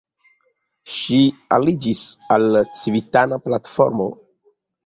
Ŝi aliĝis al Civitana Platformo.